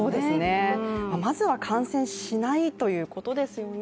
まずは感染しないということですよね。